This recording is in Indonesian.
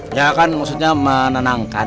ya kan maksudnya menenangkan